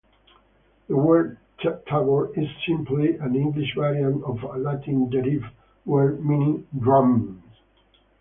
The word "tabor" is simply an English variant of a Latin-derived word meaning "drum"-cf.